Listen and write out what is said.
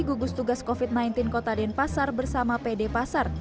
gugus tugas covid sembilan belas kota denpasar bersama pd pasar